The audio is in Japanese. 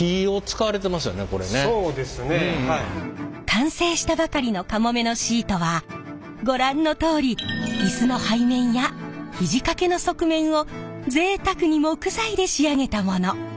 完成したばかりの「かもめ」のシートはご覧のとおり椅子の背面や肘掛けの側面をぜいたくに木材で仕上げたもの。